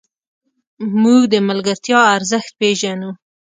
موږ د ملګرتیا ارزښت پېژنو.